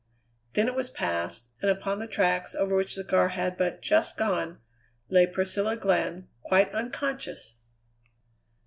Then it was past, and upon the tracks over which the car had but just gone lay Priscilla Glenn quite unconscious!